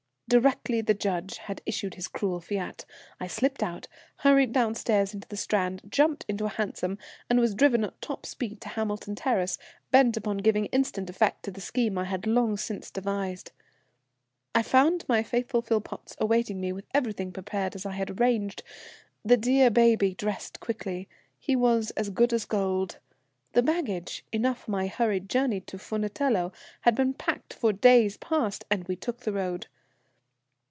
"Directly the judge had issued his cruel fiat, I slipped out, hurried down stairs into the Strand, jumped into a hansom, and was driven at top speed to Hamilton Terrace, bent upon giving instant effect to a scheme I had long since devised. "I found my faithful Philpotts awaiting me with everything prepared as I had arranged. The dear baby was dressed quickly he was as good as gold the baggage, enough for my hurried journey to Fuentellato, had been packed for days past, and we took the road.